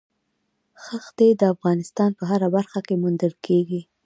ښتې د افغانستان په هره برخه کې موندل کېږي.